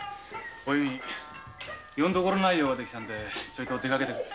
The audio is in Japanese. お弓よんどころない用ができたんでちょいと出かけてくる。